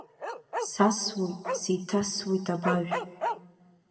Сасуеит, сеиҭасуеит абажә.